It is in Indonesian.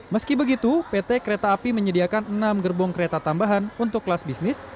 meski begitu pt kereta api menyediakan enam gerbong tambahan kelas bisnis dan tiga kelas bisnis